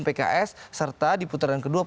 pks serta di putaran kedua